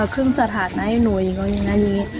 ขึ้นสถานะให้หนูอย่างงั้นประมาณนี้